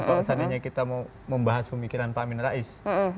kalau seandainya kita mau membahas pemikiran pak amin rais